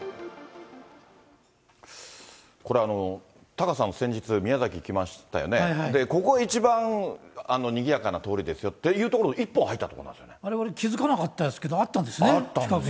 これ、タカさん、先日、宮崎行きましたよね、ここが一番にぎやかな通りですよっていう所の一本入った所なんでわれわれ気付かなかったですあったんですね、